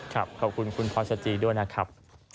ครับขอบคุณคุณพศจริฐศิลป์ด้วยนะครับ